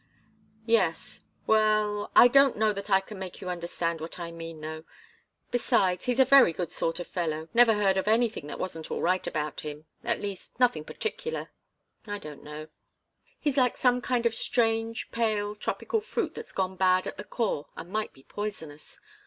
"Yes. Well I don't know that I can make you understand what I mean, though. Besides, he's a very good sort of fellow. Never heard of anything that wasn't all right about him at least nothing particular. I don't know. He's like some kind of strange, pale, tropical fruit that's gone bad at the core and might be poisonous.